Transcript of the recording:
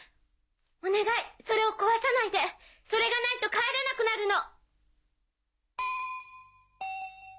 お願いそれを壊さないでそれがないと帰れなくなるの。